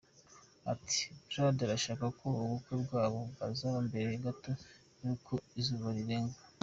Ati: “Brad arashaka ko ubukwe bwabo bwazaba mbere gato y’uko izuba rirenga.